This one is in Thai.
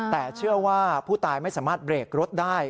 แต่เชื่อว่าผู้ตายไม่สามารถเบรกรถได้